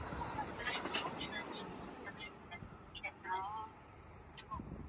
kwa ile hofu ya kusema kura zitaimbiwa nayo ilisababisha watu wengine wasijitokeze